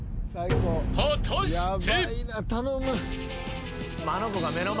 ［果たして］